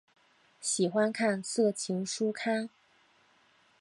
喜欢看色情书刊。